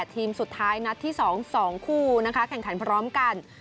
ทีมสุดท้ายนัดที่๒๒คู่นะคะแข่งขันพร้อมกัน